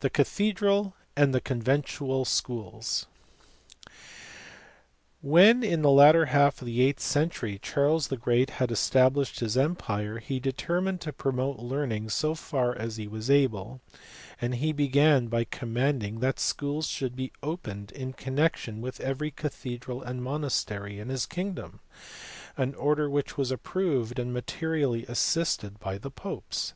The Cathedral and Conventual Schools*. When, in the latter half of the eighth century, Charles the Great had established his empire, he determined to promote learning so far as he was able; and he began by commanding that schools should be opened in connection with every cathedral and monastery in his kingdom; an order which was approved and materially assisted by the popes.